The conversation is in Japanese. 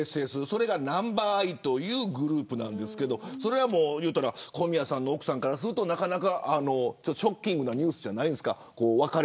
それがＮｕｍｂｅｒｉというグループですが小宮さんの奥さんからするとなかなかショッキングなニュースじゃないですか。